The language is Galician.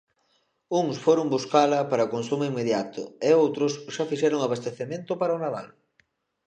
Uns foron buscala para consumo inmediato e outros xa fixeron abastecemento para o Nadal.